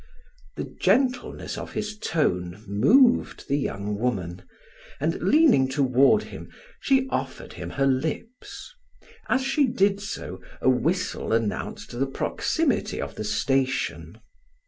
The gentleness of his tone moved the young woman, and leaning toward him she offered him her lips; as she did so, a whistle announced the proximity of the station.